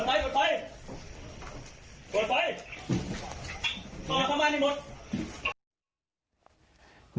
ต่อทำไมไม่หมด